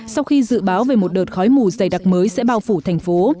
sau khi dự báo về một đợt khói mù dày đặc mới sẽ bao phủ thành phố